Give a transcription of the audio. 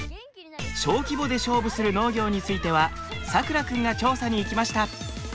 小規模で勝負する農業についてはさくら君が調査に行きました。